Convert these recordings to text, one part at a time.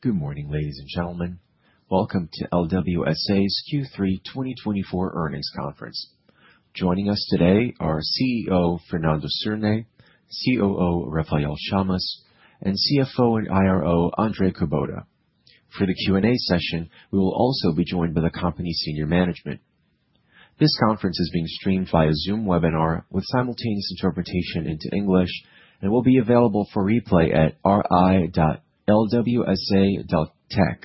Good morning, ladies and gentlemen. Welcome to LWSA's third quarter 2024 earnings conference. Joining us today are CEO Fernando Cirne, COO Rafael Chamas, and CFO and IRO André Kubota. For the Q&A session, we will also be joined by the company's senior management. This conference is being streamed via Zoom webinar with simultaneous interpretation into English and will be available for replay at ri.lwsa.tech.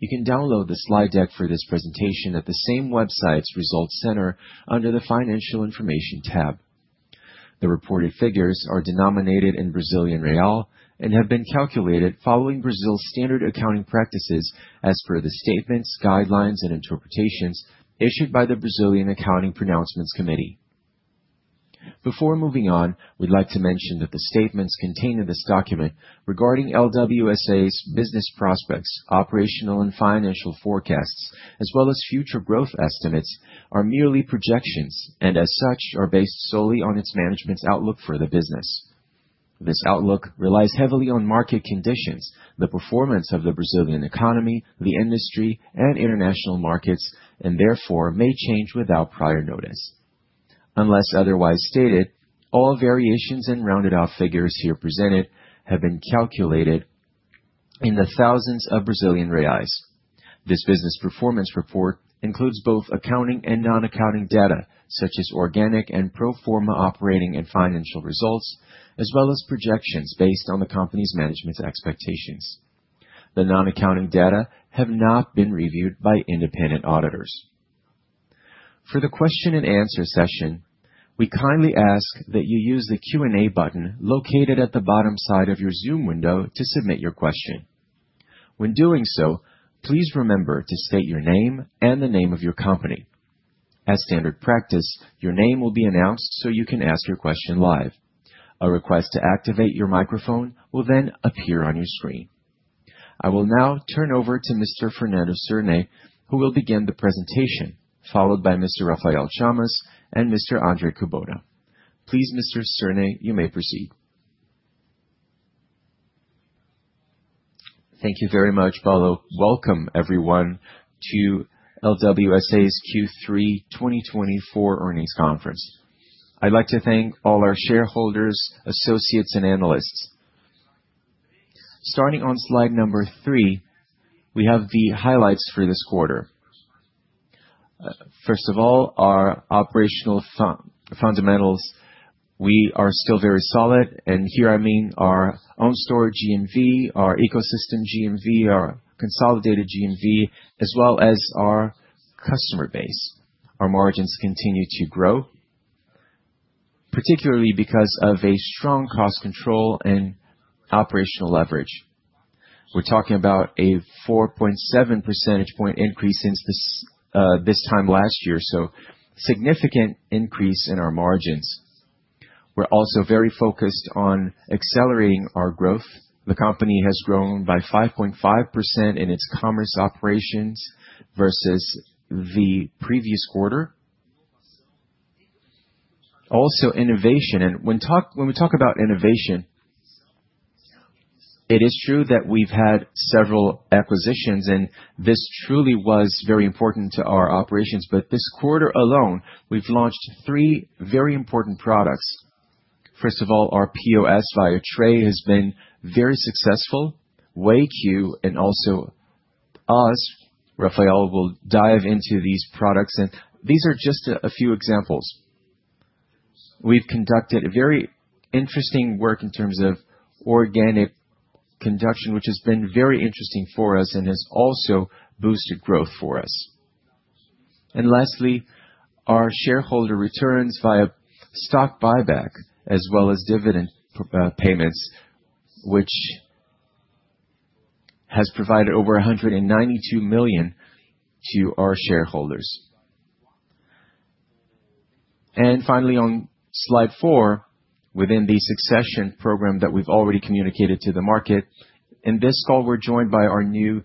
You can download the slide deck for this presentation at the same website's results center under the Financial Information tab. The reported figures are denominated in Brazilian Real and have been calculated following Brazil's standard accounting practices as per the statements, guidelines, and interpretations issued by the Brazilian Accounting Pronouncements Committee. Before moving on, we'd like to mention that the statements contained in this document regarding LWSA's business prospects, operational and financial forecasts, as well as future growth estimates, are merely projections and, as such, are based solely on its management's outlook for the business. This outlook relies heavily on market conditions, the performance of the Brazilian economy, the industry, and international markets, and therefore may change without prior notice. Unless otherwise stated, all variations and rounded-off figures here presented have been calculated in the thousands of Brazilian Reais. This business performance report includes both accounting and non-accounting data, such as organic and pro forma operating and financial results, as well as projections based on the company's management's expectations. The non-accounting data have not been reviewed by independent auditors. For the question-and-answer session, we kindly ask that you use the Q&A button located at the bottom side of your Zoom window to submit your question. When doing so, please remember to state your name and the name of your company. As standard practice, your name will be announced so you can ask your question live. A request to activate your microphone will then appear on your screen. I will now turn over to Mr. Fernando Cirne, who will begin the presentation, followed by Mr. Rafael Chamas and Mr. André Kubota. Please, Mr. Cirne, you may proceed. Thank you very much, Paulo. Welcome, everyone, to LWSA's third quarter 2024 earnings conference. I'd like to thank all our shareholders, associates, and analysts. Starting on slide number three, we have the highlights for this quarter. First of all, our operational fundamentals. We are still very solid, and here I mean our own-store GMV, our ecosystem GMV, our consolidated GMV, as well as our customer base. Our margins continue to grow, particularly because of a strong cost control and operational leverage. We're talking about a 4.7 percentage point increase since this time last year, so a significant increase in our margins. We're also very focused on accelerating our growth. The company has grown by 5.5% in its commerce operations versus the previous quarter. Also, innovation. And when we talk about innovation, it is true that we've had several acquisitions, and this truly was very important to our operations. But this quarter alone, we've launched three very important products. First of all, our POS via Tray has been very successful. Wake and also Etus, Rafael, will dive into these products. And these are just a few examples. We've conducted very interesting work in terms of organic conduction, which has been very interesting for us and has also boosted growth for us. And lastly, our shareholder returns via stock buyback as well as dividend payments, which has provided over 192 million to our shareholders. And finally, on slide four, within the succession program that we've already communicated to the market, in this call, we're joined by our new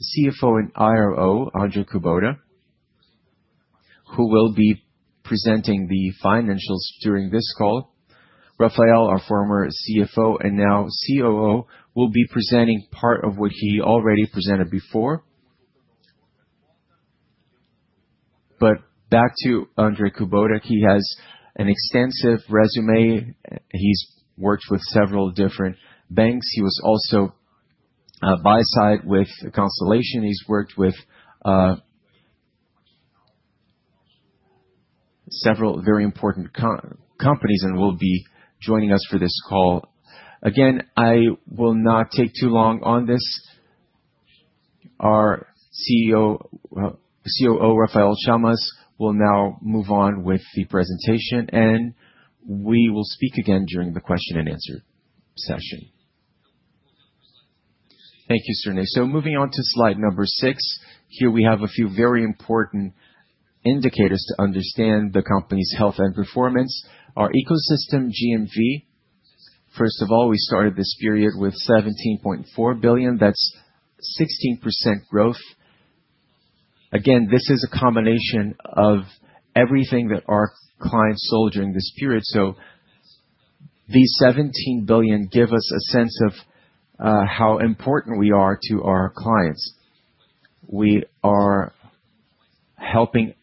CFO and IRO, André Kubota, who will be presenting the financials during this call. Rafael, our former CFO and now COO, will be presenting part of what he already presented before. But back to André Kubota. He has an extensive resume. He's worked with several different banks. He was also buy side with Constellation. He's worked with several very important companies and will be joining us for this call. Again, I will not take too long on this. Our COO, Rafael Chamas, will now move on with the presentation, and we will speak again during the question-and-answer session. Thank you, Cirne. So moving on to slide number six, here we have a few very important indicators to understand the company's health and performance. Our ecosystem GMV, first of all, we started this period with 17.4 billion. That's 16% growth. Again, this is a combination of everything that our clients sold during this period. So these 17 billion give us a sense of how important we are to our clients. We are helping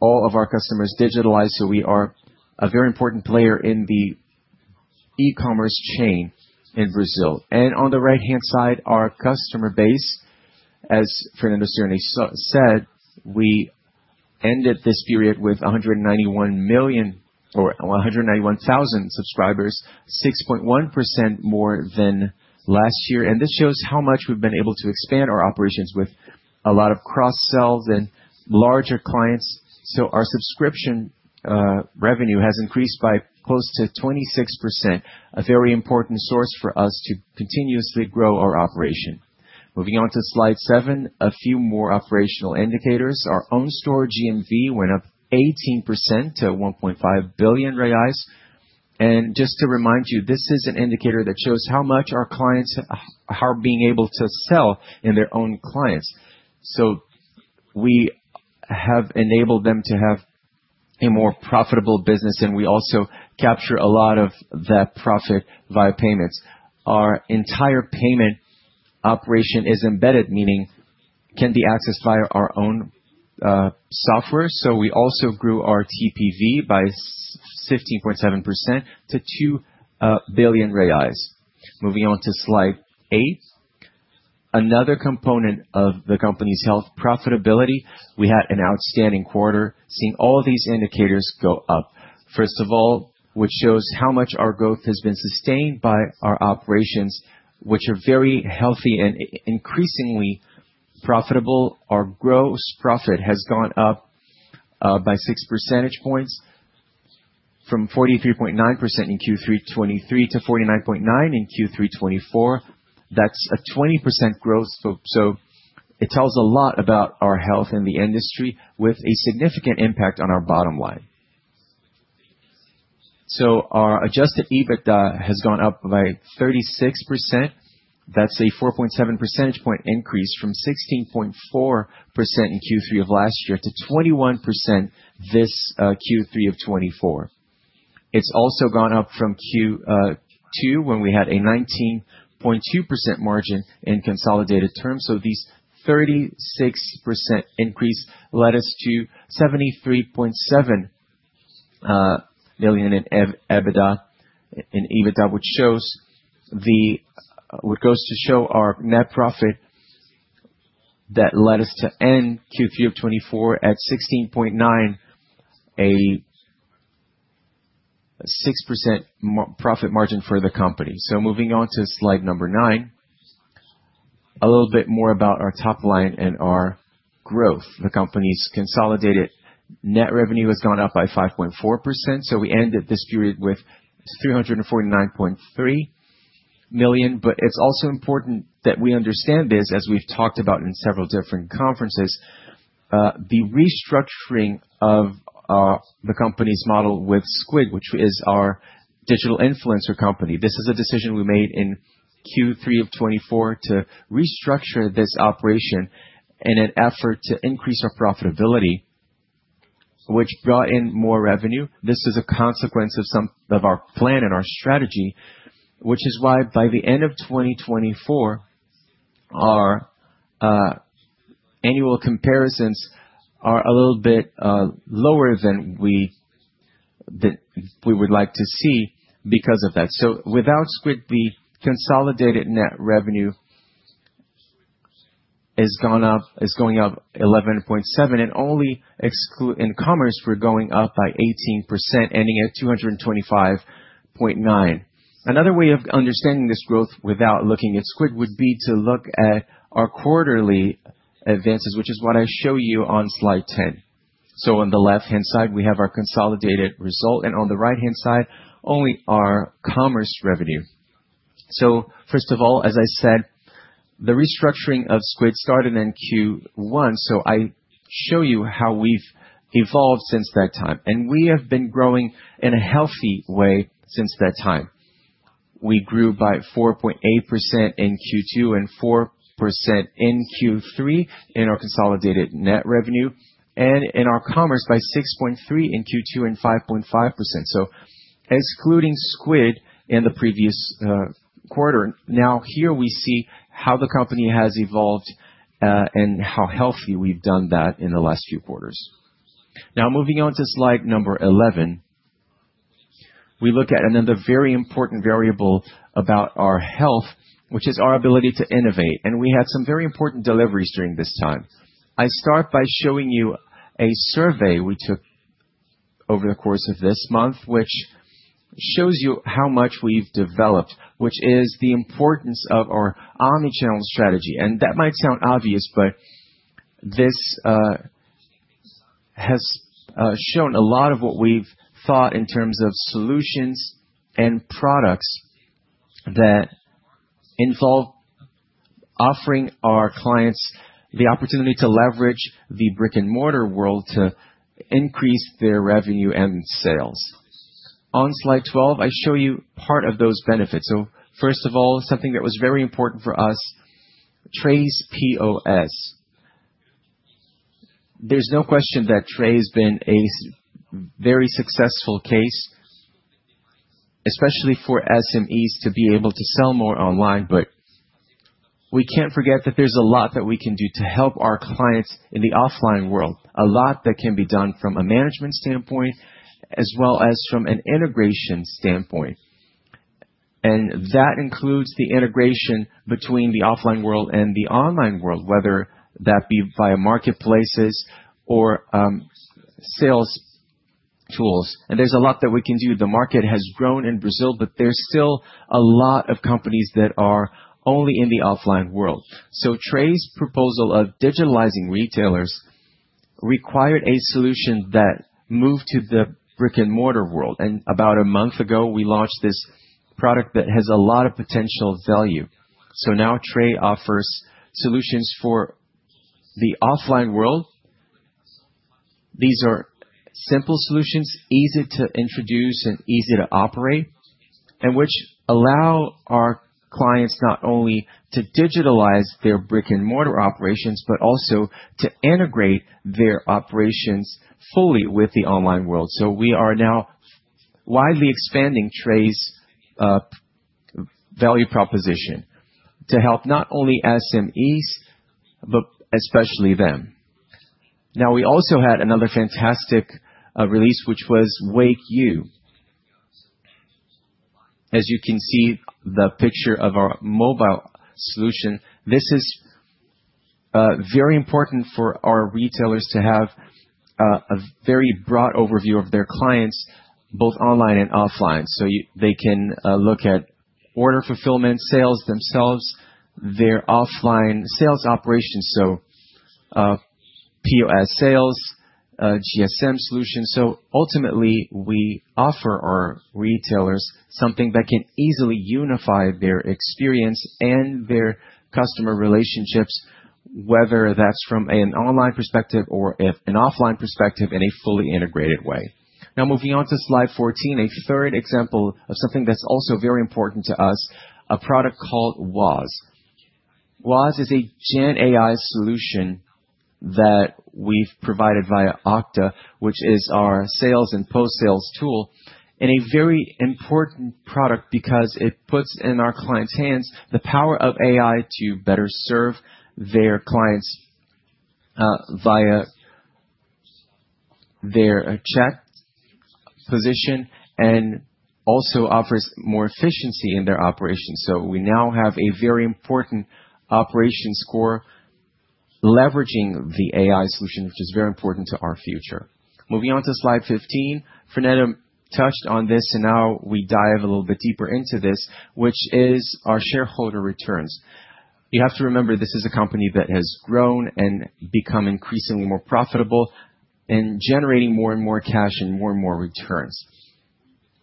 all of our customers digitalize, so we are a very important player in the e-commerce chain in Brazil. On the right-hand side, our customer base, as Fernando Cirne said, we ended this period with 191,000 subscribers, 6.1% more than last year. This shows how much we've been able to expand our operations with a lot of cross-sells and larger clients. Our subscription revenue has increased by close to 26%, a very important source for us to continuously grow our operation. Moving on to slide seven, a few more operational indicators. Our on-store GMV went up 18% to 1.5 billion reais. Just to remind you, this is an indicator that shows how much our clients are being able to sell in their own clients. We have enabled them to have a more profitable business, and we also capture a lot of that profit via payments. Our entire payment operation is embedded, meaning it can be accessed via our own software. So we also grew our TPV by 15.7% to 2 billion reais. Moving on to slide eight, another component of the company's health, profitability. We had an outstanding quarter seeing all these indicators go up. First of all, which shows how much our growth has been sustained by our operations, which are very healthy and increasingly profitable. Our gross profit has gone up by 6 percentage points from 43.9% in third quarter 2023 to 49.9% in third quarter 2024. That's a 20% growth. So, it tells a lot about our health in the industry with a significant impact on our bottom line. So, our adjusted EBITDA has gone up by 36%. That's a 4.7 percentage point increase from 16.4% in third quarter of last year to 21% this third quarter of 2024. It's also gone up from second quarter when we had a 19.2% margin in consolidated terms. These 36% increase led us to 73.7 billion in EBITDA, which goes to show our net profit that led us to end third quarter of 2024 at 16.9 million, a 6% profit margin for the company. Moving on to slide 9, a little bit more about our top line and our growth. The company's consolidated net revenue has gone up by 5.4%. We ended this period with 349.3 million. But it's also important that we understand this, as we've talked about in several different conferences, the restructuring of the company's model with Squid, which is our digital influencer company. This is a decision we made in third quarter of 2024 to restructure this operation in an effort to increase our profitability, which brought in more revenue. This is a consequence of our plan and our strategy, which is why by the end of 2024, our annual comparisons are a little bit lower than we would like to see because of that. So, without Squid, the consolidated net revenue is going up 11.7%, and only in commerce, we're going up by 18%, ending at 225.9. Another way of understanding this growth without looking at Squid would be to look at our quarterly advances, which is what I show you on slide 10. So, on the left-hand side, we have our consolidated result, and on the right-hand side, only our commerce revenue. So first of all, as I said, the restructuring of Squid started in first quarter, so I show you how we've evolved since that time. And we have been growing in a healthy way since that time. We grew by 4.8% in second quarter and 4% in third quarter in our consolidated net revenue, and in our commerce by 6.3% in second quarter and 5.5%. So excluding Squid in the previous quarter, now here we see how the company has evolved and how healthy we've done that in the last few quarters. Now, moving on to slide number 11, we look at another very important variable about our health, which is our ability to innovate. And we had some very important deliveries during this time. I start by showing you a survey we took over the course of this month, which shows you how much we've developed, which is the importance of our omnichannel strategy. That might sound obvious, but this has shown a lot of what we've thought in terms of solutions and products that involve offering our clients the opportunity to leverage the brick-and-mortar world to increase their revenue and sales. On slide 12, I show you part of those benefits. First of all, something that was very important for us, Tray's POS. There's no question that Tray has been a very successful case, especially for SMEs to be able to sell more online. We can't forget that there's a lot that we can do to help our clients in the offline world, a lot that can be done from a management standpoint as well as from an integration standpoint. That includes the integration between the offline world and the online world, whether that be via marketplaces or sales tools. There's a lot that we can do. The market has grown in Brazil, but there's still a lot of companies that are only in the offline world. Tray's proposal of digitalizing retailers required a solution that moved to the brick-and-mortar world. About a month ago, we launched this product that has a lot of potential value. Tray now offers solutions for the offline world. These are simple solutions, easy to introduce and easy to operate, and which allow our clients not only to digitalize their brick-and-mortar operations, but also to integrate their operations fully with the online world. We are now widely expanding Tray's value proposition to help not only SMEs, but especially them. We also had another fantastic release, which was Wake. As you can see, the picture of our mobile solution, this is very important for our retailers to have a very broad overview of their clients, both online and offline. So they can look at order fulfillment, sales themselves, their offline sales operations, so POS sales, CRM solutions. So ultimately, we offer our retailers something that can easily unify their experience and their customer relationships, whether that's from an online perspective or an offline perspective in a fully integrated way. Now, moving on to slide 14, a third example of something that's also very important to us, a product called WAS. WAS is a GenAI solution that we've provided via Octadesk, which is our sales and post-sales tool, and a very important product because it puts in our clients' hands the power of AI to better serve their clients via their check position and also offers more efficiency in their operations. So we now have a very important operations core leveraging the AI solution, which is very important to our future. Moving on to slide 15, Fernando touched on this, and now we dive a little bit deeper into this, which is our shareholder returns. You have to remember this is a company that has grown and become increasingly more profitable and generating more and more cash and more and more returns.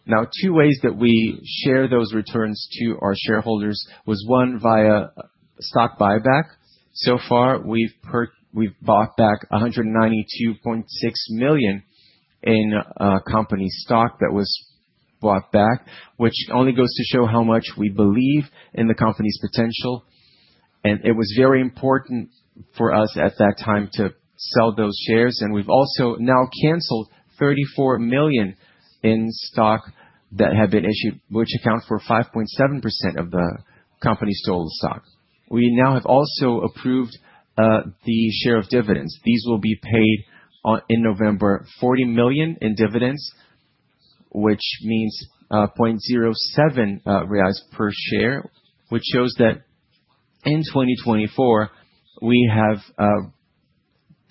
Now, two ways that we share those returns to our shareholders was one via stock buyback. So far, we've bought back 192.6 million in company stock that was bought back, which only goes to show how much we believe in the company's potential. And it was very important for us at that time to sell those shares. And we've also now canceled 34 million in stock that have been issued, which accounts for 5.7% of the company's total stock. We now have also approved the share of dividends. These will be paid in November, 40 million in dividends, which means 0.07 reais per share, which shows that in 2024, we have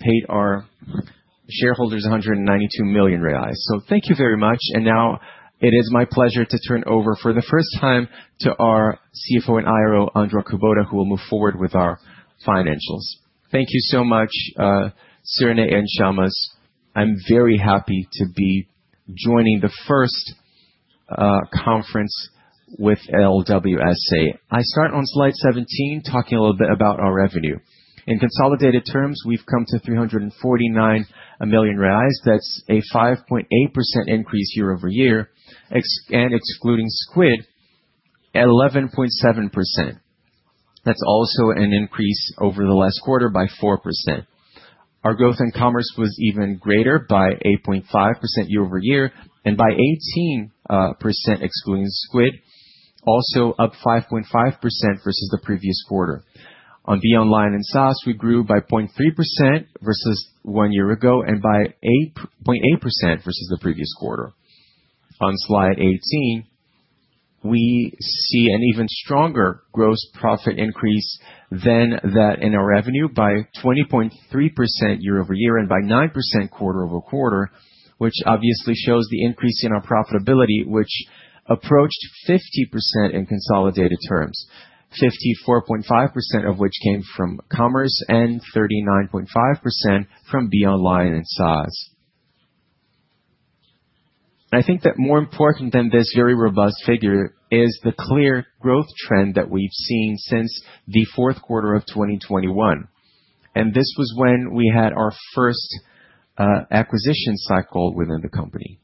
paid our shareholders 192 million reais. So, thank you very much. And now it is my pleasure to turn over for the first time to our CFO and IRO, André Kubota, who will move forward with our financials. Thank you so much, Cirne and Chamas. I'm very happy to be joining the first conference with LWSA. I start on slide 17, talking a little bit about our revenue. In consolidated terms, we've come to 349 million reais. That's a 5.8% increase year over year, and excluding Squid, 11.7%. That's also an increase over the last quarter by 4%. Our growth in commerce was even greater by 8.5% year over year, and by 18% excluding Squid, also up 5.5% versus the previous quarter. On Be Online and SaaS, we grew by 0.3% versus one year ago and by 8.8% versus the previous quarter. On slide 18, we see an even stronger gross profit increase than that in our revenue by 20.3% year over year and by 9% quarter over quarter, which obviously shows the increase in our profitability, which approached 50% in consolidated terms, 54.5% of which came from commerce and 39.5% from Bling and SaaS. I think that more important than this very robust figure is the clear growth trend that we've seen since the fourth quarter of 2021. This was when we had our first acquisition cycle within the company.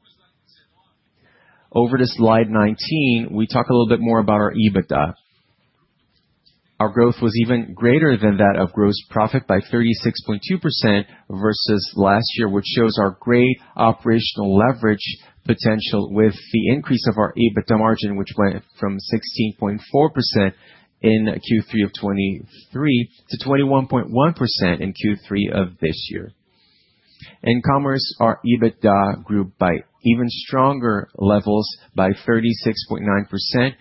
Over to slide 19, we talk a little bit more about our EBITDA. Our growth was even greater than that of gross profit by 36.2% versus last year, which shows our great operational leverage potential with the increase of our EBITDA margin, which went from 16.4% in third quarter of 2023 to 21.1% in third quarter of this year. In commerce, our EBITDA grew by even stronger levels by 36.9%.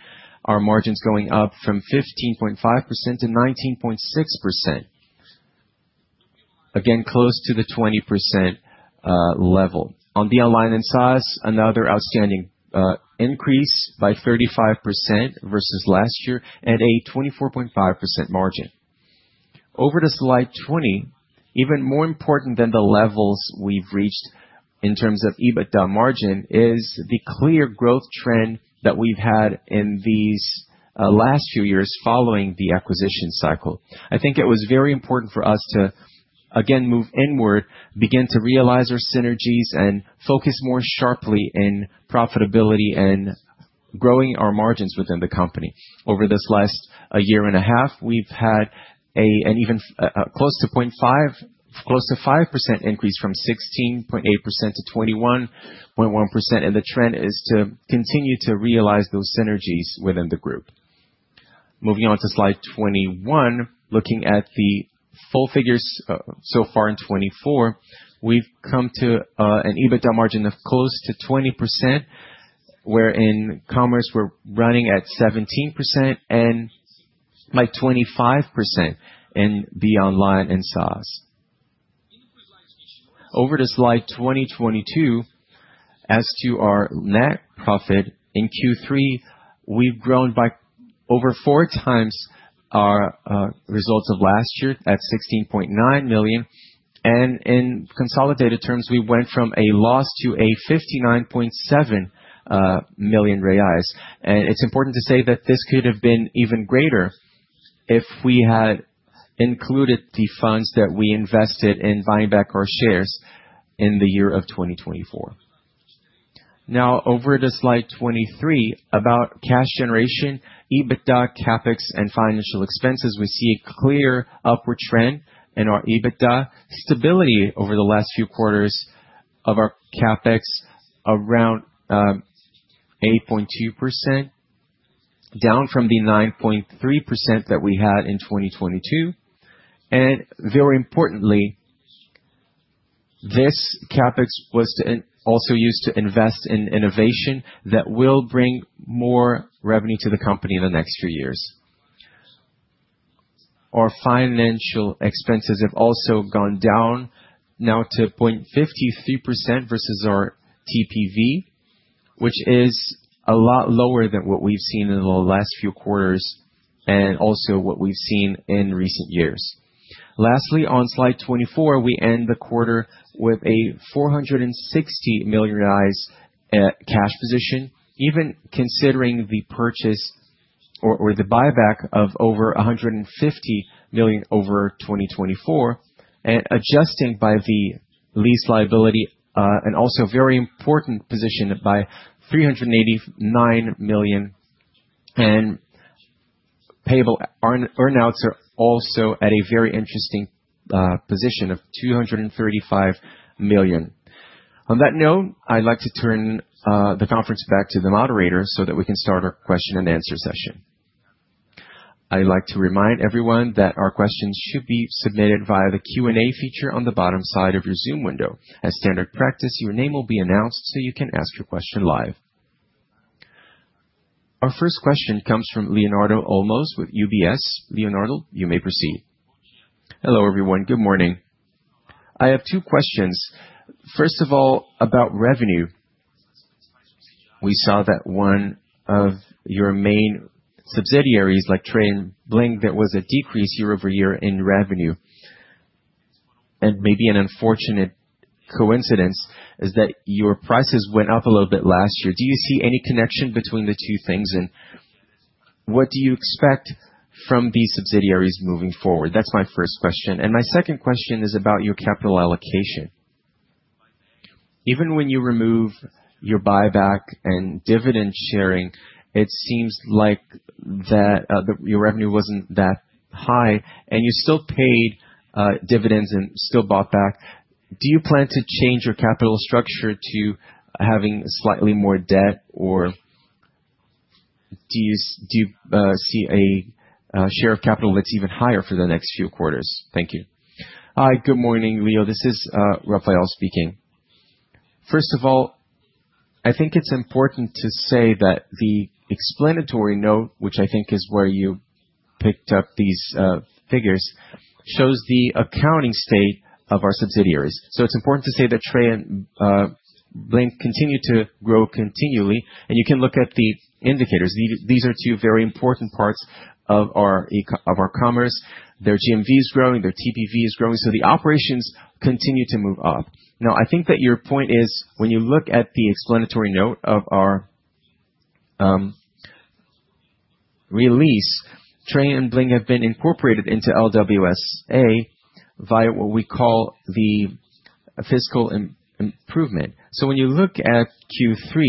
Our margins going up from 15.5% to 19.6%, again, close to the 20% level. On Bling and SaaS, another outstanding increase by 35% versus last year and a 24.5% margin. Over to slide 20, even more important than the levels we've reached in terms of EBITDA margin is the clear growth trend that we've had in these last few years following the acquisition cycle. I think it was very important for us to, again, move inward, begin to realize our synergies, and focus more sharply in profitability and growing our margins within the company. Over this last year and a half, we've had an even close to 0.5% increase from 16.8% to 21.1%. And the trend is to continue to realize those synergies within the group. Moving on to slide 21, looking at the full figures so far in 2024, we've come to an EBITDA margin of close to 20%, where in commerce, we're running at 17% and by 25% in beyond line and SaaS. Over to slide 22, as to our net profit in third quarter, we've grown by over four times our results of last year at 16.9 million. And in consolidated terms, we went from a loss to a 59.7 million reais. And it's important to say that this could have been even greater if we had included the funds that we invested in buying back our shares in the year of 2024. Now, over to slide 23, about cash generation, EBITDA, CapEx, and financial expenses, we see a clear upward trend in our EBITDA stability over the last few quarters of our CapEx around 8.2%, down from the 9.3% that we had in 2022. And very importantly, this CapEx was also used to invest in innovation that will bring more revenue to the company in the next few years. Our financial expenses have also gone down now to 0.53% versus our TPV, which is a lot lower than what we've seen in the last few quarters and also what we've seen in recent years. Lastly, on slide 24, we end the quarter with a BRL 460 million cash position, even considering the purchase or the buyback of over 150 million over 2024, and adjusting by the lease liability and also very important position by 389 million. Payable earnouts are also at a very interesting position of 235 million. On that note, I'd like to turn the conference back to the moderator so that we can start our question and answer session. I'd like to remind everyone that our questions should be submitted via the Q&A feature on the bottom side of your Zoom window. As standard practice, your name will be announced so you can ask your question live. Our first question comes from Leonardo Olmos with UBS. Leonardo, you may proceed. Hello, everyone. Good morning. I have two questions. First of all, about revenue. We saw that one of your main subsidiaries, like Tray and Bling, there was a decrease year over year in revenue. And maybe an unfortunate coincidence is that your prices went up a little bit last year. Do you see any connection between the two things? And what do you expect from these subsidiaries moving forward? That's my first question. And my second question is about your capital allocation. Even when you remove your buyback and dividend sharing, it seems like your revenue wasn't that high, and you still paid dividends and still bought back. Do you plan to change your capital structure to having slightly more debt, or do you see a share of capital that's even higher for the next few quarters? Thank you. Hi, good morning, Leo. This is Rafael speaking. First of all, I think it's important to say that the explanatory note, which I think is where you picked up these figures, shows the accounting state of our subsidiaries. So it's important to say that Tray and Bling continue to grow continually. And you can look at the indicators. These are two very important parts of our commerce. Their GMV is growing. Their TPV is growing, so the operations continue to move up. Now, I think that your point is, when you look at the explanatory note of our release, Tray and Bling have been incorporated into LWSA via what we call the fiscal improvement, so when you look at third quarter,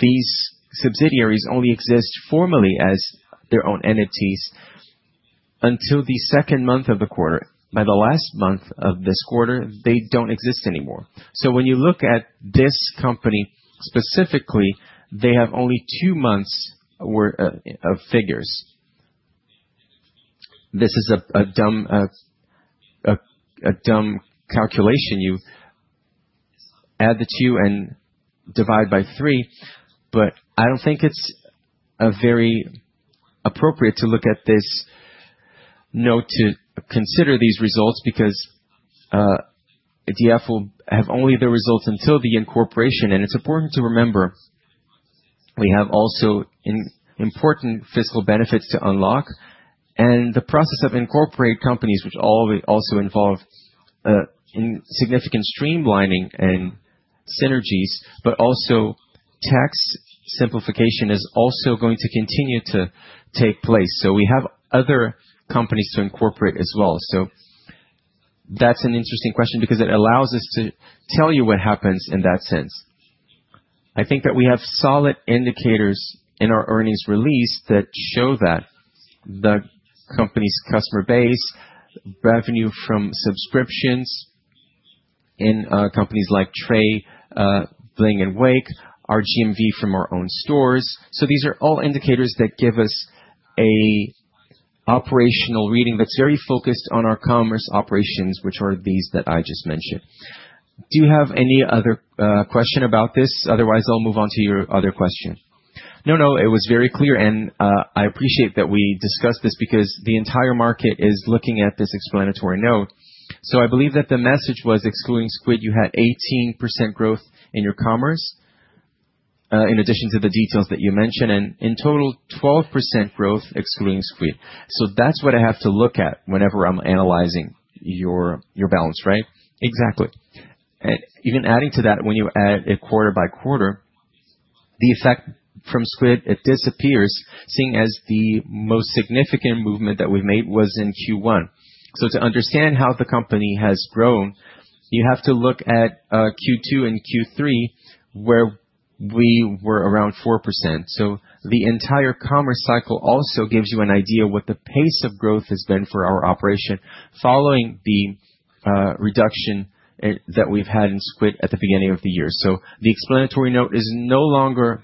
these subsidiaries only exist formally as their own entities until the second month of the quarter. By the last month of this quarter, they don't exist anymore, so when you look at this company specifically, they have only two months of figures. This is a dumb calculation. You add the two and divide by three, but I don't think it's very appropriate to look at this note to consider these results because the former will have only the results until the incorporation, and it's important to remember we have also important fiscal benefits to unlock. The process of incorporating companies, which also involve significant streamlining and synergies, but also tax simplification is also going to continue to take place. We have other companies to incorporate as well. That's an interesting question because it allows us to tell you what happens in that sense. I think that we have solid indicators in our earnings release that show that the company's customer base, revenue from subscriptions in companies like Tray, Bling, and Wake, our GMV from our own stores. These are all indicators that give us an operational reading that's very focused on our commerce operations, which are these that I just mentioned. Do you have any other question about this? Otherwise, I'll move on to your other question. No, no. It was very clear. I appreciate that we discussed this because the entire market is looking at this explanatory note. I believe that the message was, excluding Squid, you had 18% growth in your commerce in addition to the details that you mentioned, and in total, 12% growth excluding Squid. So that's what I have to look at whenever I'm analyzing your balance, right? Exactly. And even adding to that, when you add a quarter by quarter, the effect from Squid, it disappears, seeing as the most significant movement that we've made was in first quarter. So to understand how the company has grown, you have to look at second quarter and third quarter, where we were around 4%. So the entire commerce cycle also gives you an idea of what the pace of growth has been for our operation following the reduction that we've had in Squid at the beginning of the year. So the explanatory note is no longer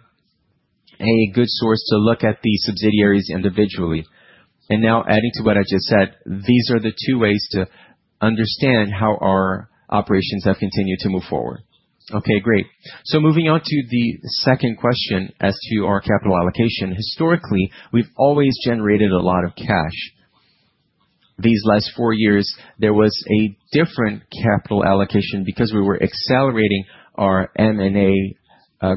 a good source to look at the subsidiaries individually. And now, adding to what I just said, these are the two ways to understand how our operations have continued to move forward. Okay, great. So moving on to the second question as to our capital allocation. Historically, we've always generated a lot of cash. These last four years, there was a different capital allocation because we were accelerating our M&A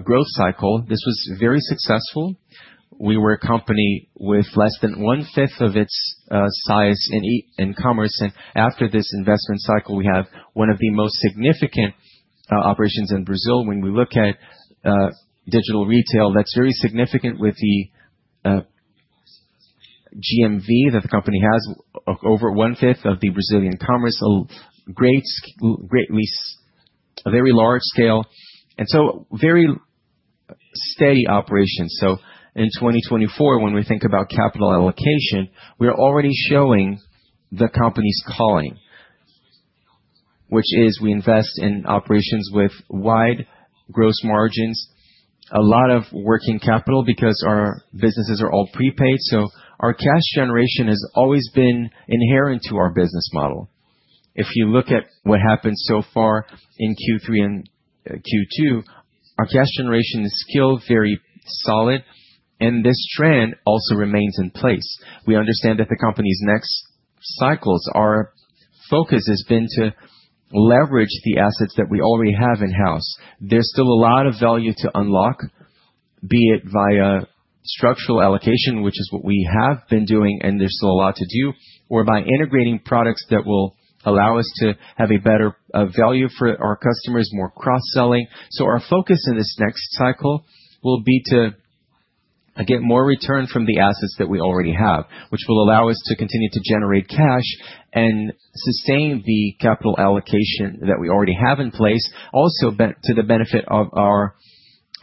growth cycle. This was very successful. We were a company with less than one-fifth of its size in commerce. And after this investment cycle, we have one of the most significant operations in Brazil. When we look at digital retail, that's very significant with the GMV that the company has over one-fifth of the Brazilian commerce. Greatly, very large scale. And so very steady operations. In 2024, when we think about capital allocation, we're already showing the company's calling, which is we invest in operations with wide gross margins, a lot of working capital because our businesses are all prepaid. Our cash generation has always been inherent to our business model. If you look at what happened so far in third quarter and second quarter, our cash generation is still very solid, and this trend also remains in place. We understand that the company's next cycles focus has been to leverage the assets that we already have in-house. There's still a lot of value to unlock, be it via structural allocation, which is what we have been doing, and there's still a lot to do, or by integrating products that will allow us to have a better value for our customers, more cross-selling. Our focus in this next cycle will be to get more return from the assets that we already have, which will allow us to continue to generate cash and sustain the capital allocation that we already have in place, also to the benefit of our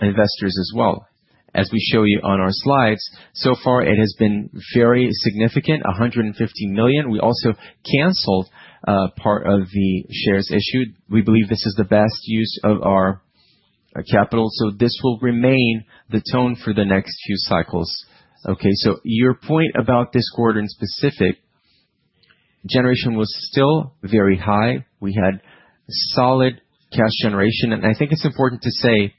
investors as well. As we show you on our slides, so far, it has been very significant, 150 million. We also canceled part of the shares issued. We believe this is the best use of our capital. This will remain the tone for the next few cycles. Okay. Your point about this quarter in specific, generation was still very high. We had solid cash generation. I think it's important to say,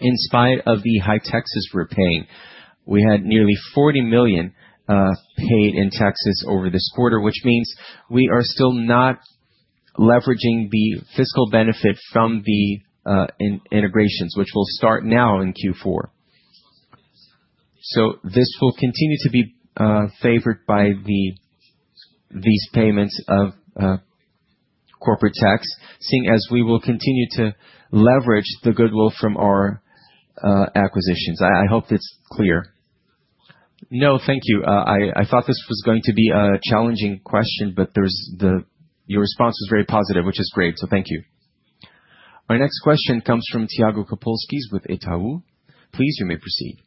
in spite of the high taxes we're paying, we had nearly 40 million paid in taxes over this quarter, which means we are still not leveraging the fiscal benefit from the integrations, which will start now in fourth quarter. So this will continue to be favored by these payments of corporate tax, seeing as we will continue to leverage the goodwill from our acquisitions. I hope it's clear. No, thank you. I thought this was going to be a challenging question, but your response was very positive, which is great. So thank you. Our next question comes from Thiago Kapulskis with Itaú. Please, you may proceed.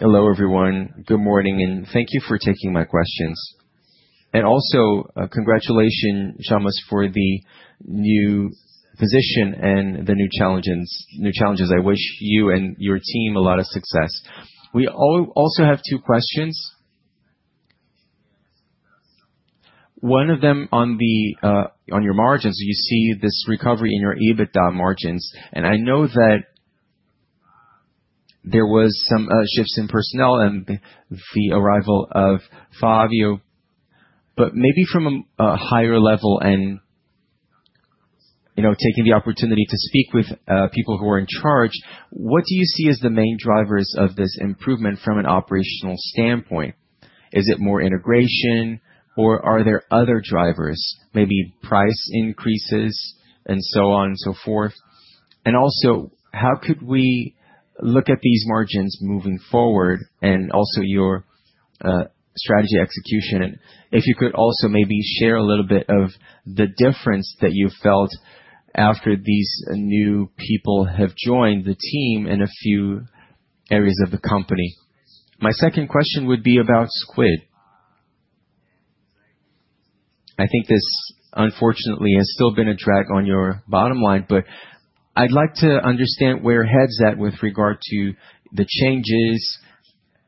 Hello, everyone. Good morning, and thank you for taking my questions. And also, congratulations, Chamas, for the new position and the new challenges. I wish you and your team a lot of success. We also have two questions. One of them on your margins. You see this recovery in your EBITDA margins. And I know that there were some shifts in personnel and the arrival of Fabio, but maybe from a higher level and taking the opportunity to speak with people who are in charge, what do you see as the main drivers of this improvement from an operational standpoint? Is it more integration, or are there other drivers, maybe price increases and so on and so forth? And also, how could we look at these margins moving forward and also your strategy execution? And if you could also maybe share a little bit of the difference that you felt after these new people have joined the team in a few areas of the company. My second question would be about Squid. I think this, unfortunately, has still been a drag on your bottom line, but I'd like to understand where we're at with regard to the changes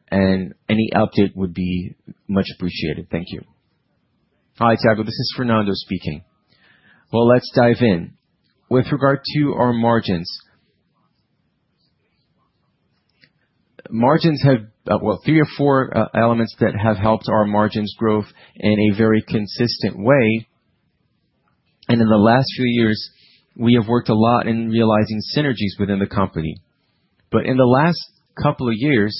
and any update would be much appreciated. Thank you. Hi, Thiago. This is Fernando speaking. Let's dive in. With regard to our margins, margins have, well, three or four elements that have helped our margins growth in a very consistent way. In the last few years, we have worked a lot in realizing synergies within the company. In the last couple of years,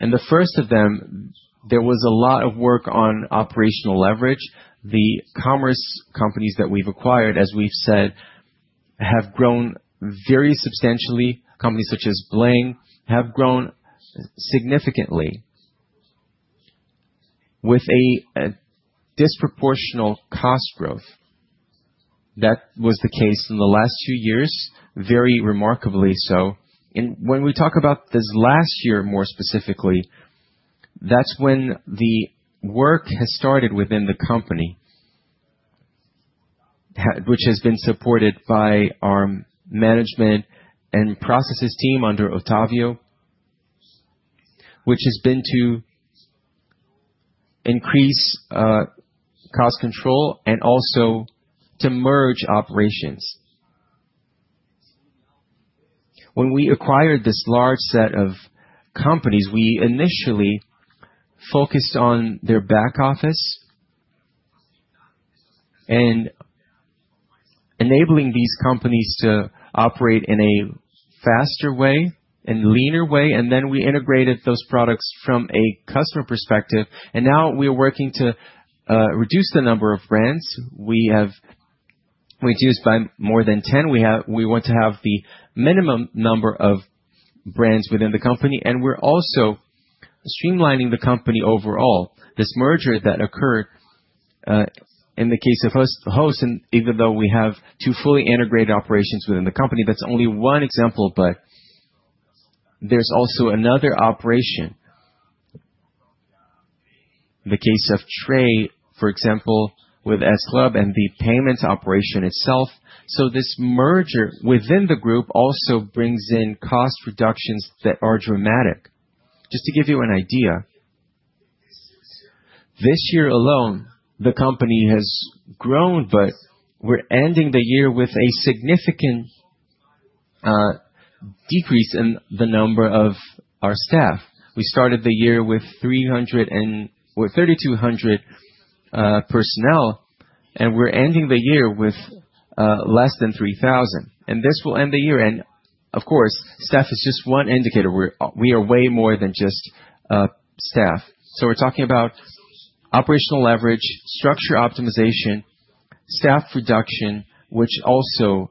and the first of them, there was a lot of work on operational leverage. The commerce companies that we've acquired, as we've said, have grown very substantially. Companies such as Bling have grown significantly with a disproportionate cost growth. That was the case in the last few years, very remarkably so. And when we talk about this last year, more specifically, that's when the work has started within the company, which has been supported by our management and processes team under Otavio, which has been to increase cost control and also to merge operations. When we acquired this large set of companies, we initially focused on their back office and enabling these companies to operate in a faster way and leaner way. And then we integrated those products from a customer perspective. And now we are working to reduce the number of brands. We have reduced by more than 10. We want to have the minimum number of brands within the company. And we're also streamlining the company overall. This merger that occurred in the case of Host, even though we have two fully integrated operations within the company, that's only one example, but there's also another operation, the case of Tray, for example, with S-Club and the payments operation itself. So this merger within the group also brings in cost reductions that are dramatic. Just to give you an idea, this year alone, the company has grown, but we're ending the year with a significant decrease in the number of our staff. We started the year with 3,200 personnel, and we're ending the year with less than 3,000. And this will end the year. And of course, staff is just one indicator. We are way more than just staff. So we're talking about operational leverage, structure optimization, staff reduction, which also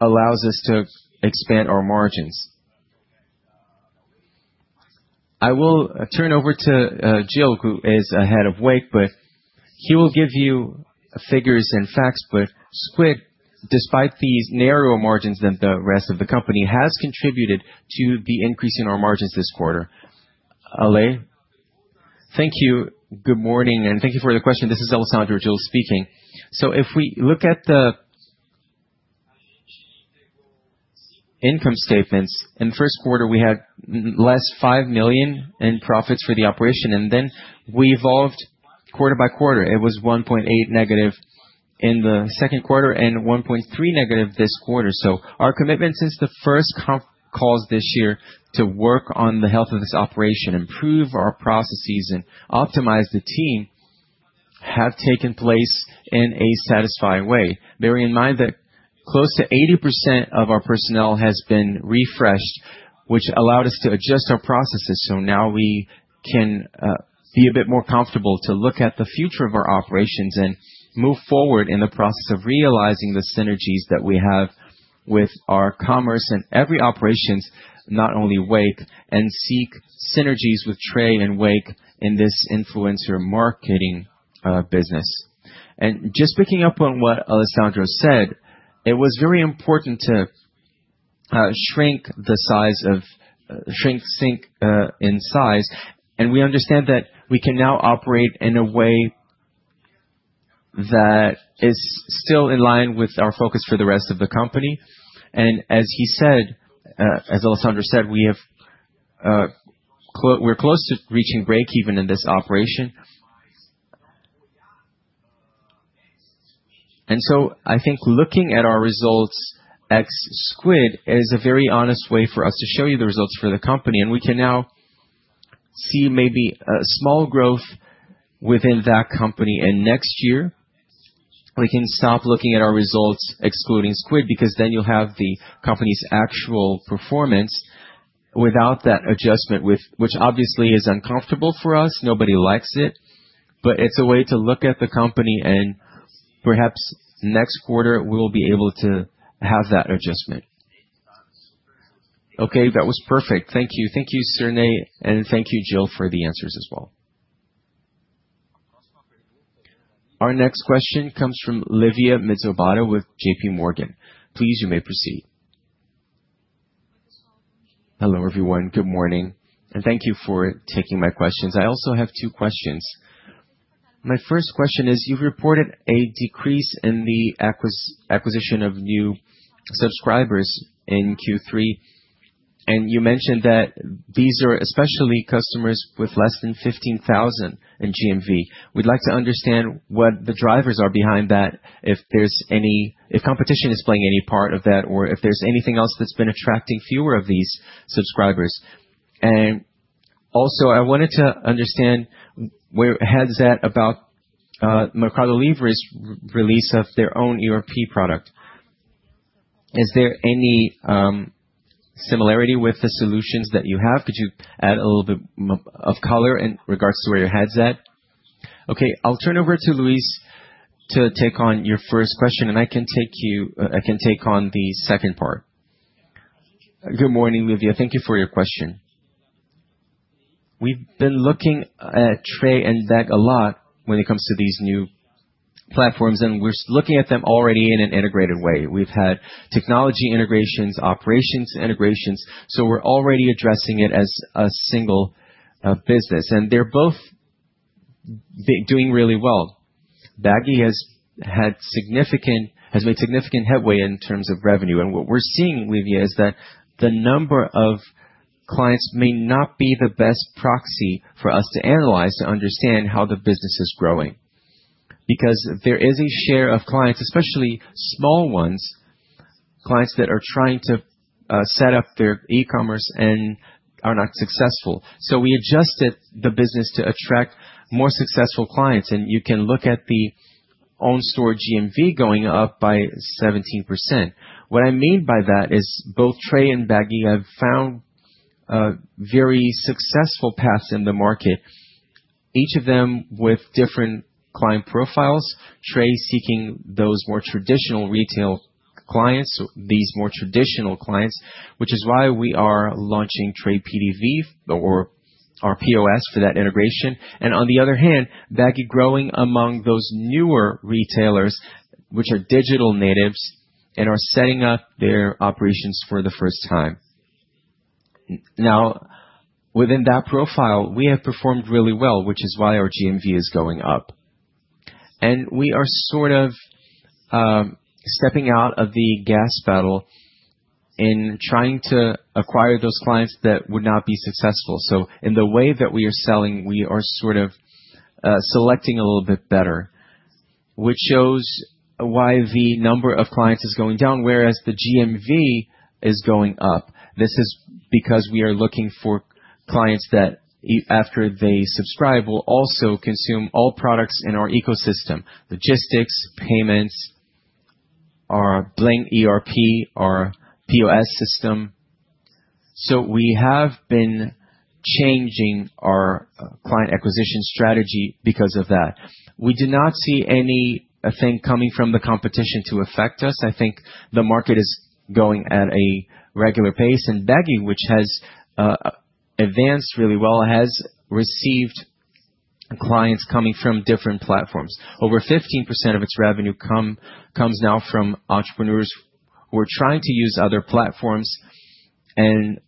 allows us to expand our margins. I will turn over to Gil, who is head of Wake, but he will give you figures and facts. But Squid, despite these narrower margins than the rest of the company, has contributed to the increase in our margins this quarter. Olá, thank you. Good morning, and thank you for the question. This is Alessandro Gil speaking. So if we look at the income statements, in the first quarter, we had a loss of 5 million in profits for the operation. And then we evolved quarter by quarter. It was negative 1.8 in the second quarter and negative 1.3 this quarter. So our commitment since the first calls this year to work on the health of this operation, improve our processes, and optimize the team have taken place in a satisfying way. Bearing in mind that close to 80% of our personnel has been refreshed, which allowed us to adjust our processes. So now we can be a bit more comfortable to look at the future of our operations and move forward in the process of realizing the synergies that we have with our commerce and every operations, not only Wake, and seek synergies with Tray and Wake in this influencer marketing business. And just picking up on what Alessandro said, it was very important to shrink the size of Squid in size. And we understand that we can now operate in a way that is still in line with our focus for the rest of the company. And as he said, as Alessandro said, we're close to reaching break even in this operation. And so I think looking at our results ex Squid is a very honest way for us to show you the results for the company. And we can now see maybe a small growth within that company. And next year, we can stop looking at our results excluding Squid because then you'll have the company's actual performance without that adjustment, which obviously is uncomfortable for us. Nobody likes it, but it's a way to look at the company. And perhaps next quarter, we'll be able to have that adjustment. Okay, that was perfect. Thank you. Thank you, Cirne, and thank you, Gil, for the answers as well. Our next question comes from Livea Mizobata with JPMorgan. Please, you may proceed. Hello everyone. Good morning. And thank you for taking my questions. I also have two questions. My first question is, you've reported a decrease in the acquisition of new subscribers in third quarter, and you mentioned that these are especially customers with less than 15,000 in GMV. We'd like to understand what the drivers are behind that, if there's any competition is playing any part of that, or if there's anything else that's been attracting fewer of these subscribers, and also, I wanted to understand where it's at about Mercado Libre's release of their own ERP product. Is there any similarity with the solutions that you have? Could you add a little bit of color in regards to where it's at? Okay. I'll turn over to Luis to take on your first question, and I can take on the second part. Good morning, Livea. Thank you for your question. We've been looking at Tray and Bagy a lot when it comes to these new platforms, and we're looking at them already in an integrated way. We've had technology integrations, operations integrations, so we're already addressing it as a single business. They're both doing really well. Bagy has made significant headway in terms of revenue. What we're seeing, Livea, is that the number of clients may not be the best proxy for us to analyze to understand how the business is growing because there is a share of clients, especially small ones, clients that are trying to set up their e-commerce and are not successful. So we adjusted the business to attract more successful clients. You can look at the on-store GMV going up by 17%. What I mean by that is both Tray and Bagy have found very successful paths in the market, each of them with different client profiles, Tray seeking those more traditional retail clients, these more traditional clients, which is why we are launching Tray PDV or our POS for that integration. And on the other hand, Bagy growing among those newer retailers, which are digital natives and are setting up their operations for the first time. Now, within that profile, we have performed really well, which is why our GMV is going up. And we are sort of stepping out of the gas battle in trying to acquire those clients that would not be successful. So, in the way that we are selling, we are sort of selecting a little bit better, which shows why the number of clients is going down, whereas the GMV is going up. This is because we are looking for clients that, after they subscribe, will also consume all products in our ecosystem: logistics, payments, our Bling ERP, our POS system. So we have been changing our client acquisition strategy because of that. We do not see anything coming from the competition to affect us. I think the market is going at a regular pace, and Bagy, which has advanced really well, has received clients coming from different platforms. Over 15% of its revenue comes now from entrepreneurs who are trying to use other platforms and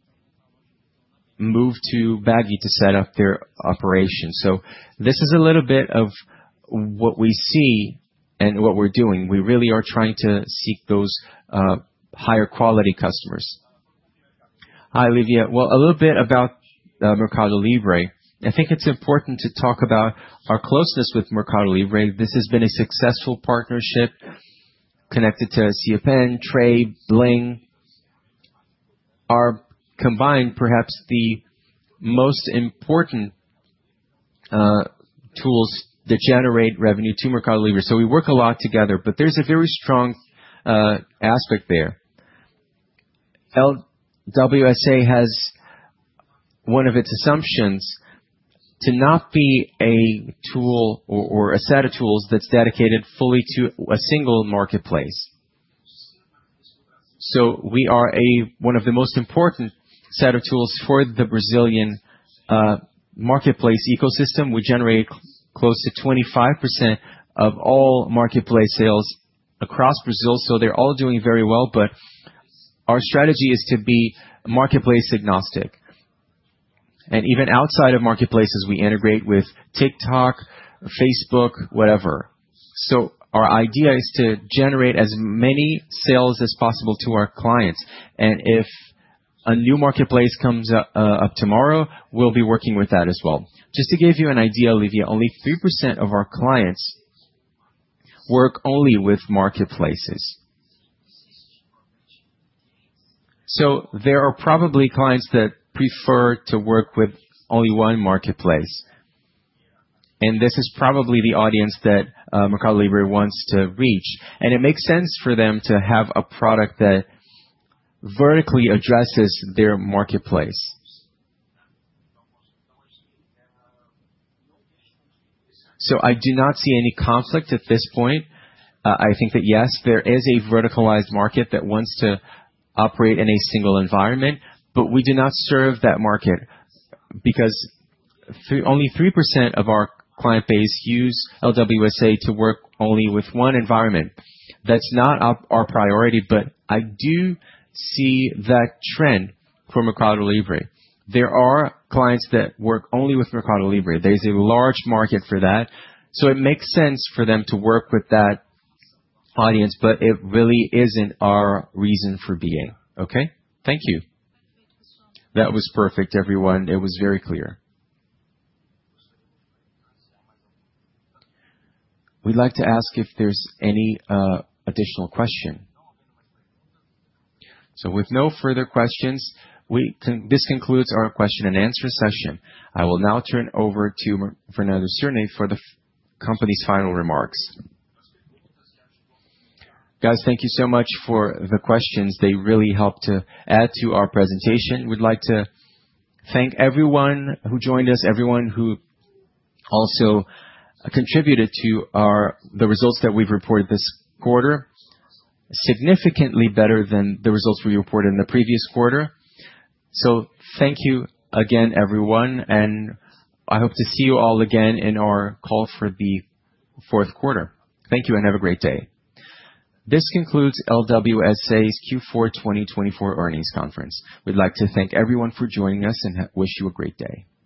move to Bagy to set up their operations, so this is a little bit of what we see and what we're doing. We really are trying to seek those higher quality customers. Hi, Livea. Well, a little bit about Mercado Libre. I think it's important to talk about our closeness with Mercado Libre. This has been a successful partnership connected to CRM, Tray, Bling. Our combined, perhaps the most important tools that generate revenue to Mercado Libre, so we work a lot together, but there's a very strong aspect there. LWSA has one of its assumptions to not be a tool or a set of tools that's dedicated fully to a single marketplace, so we are one of the most important set of tools for the Brazilian marketplace ecosystem. We generate close to 25% of all marketplace sales across Brazil, so they're all doing very well, but our strategy is to be marketplace agnostic, and even outside of marketplaces, we integrate with TikTok, Facebook, whatever, so our idea is to generate as many sales as possible to our clients, and if a new marketplace comes up tomorrow, we'll be working with that as well. Just to give you an idea, Livea, only 3% of our clients work only with marketplaces, so there are probably clients that prefer to work with only one marketplace, and this is probably the audience that Mercado Livre wants to reach. It makes sense for them to have a product that vertically addresses their marketplace. So I do not see any conflict at this point. I think that yes, there is a verticalized market that wants to operate in a single environment, but we do not serve that market because only 3% of our client base use LWSA to work only with one environment. That's not our priority, but I do see that trend for Mercado Libre. There are clients that work only with Mercado Libre. There's a large market for that. So it makes sense for them to work with that audience, but it really isn't our reason for being. Okay. Thank you. That was perfect, everyone. It was very clear. We'd like to ask if there's any additional question. So, with no further questions, this concludes our question-and-answer session. I will now turn over to Fernando Cirne for the company's final remarks. Guys, thank you so much for the questions. They really helped to add to our presentation. We'd like to thank everyone who joined us, everyone who also contributed to the results that we've reported this quarter, significantly better than the results we reported in the previous quarter. So thank you again, everyone. And I hope to see you all again in our call for the fourth quarter. Thank you and have a great day. This concludes LWSA's fourth quarter 2024 earnings conference. We'd like to thank everyone for joining us and wish you a great day.